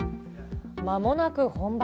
まもなく本番。